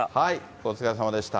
お疲れさまでした。